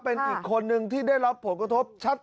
เป็นอีกคนนึงที่ได้รับผลกระทบชัด